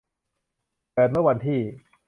เกิดเมื่อวันที่